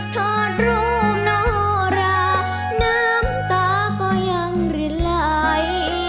ถอดรูปโนราน้ำตาก็ยังรินไหล